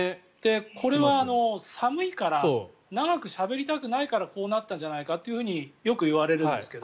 これは寒いから長くしゃべりたくないからこうなったんじゃないかとよく言われるんですけど。